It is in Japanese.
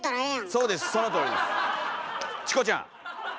チコちゃん